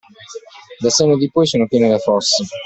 Del senno di poi, sono piene le fosse.